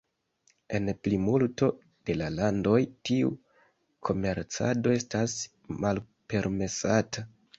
En plimulto de la landoj tiu komercado estas malpermesata.